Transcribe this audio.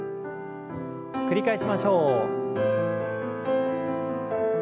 繰り返しましょう。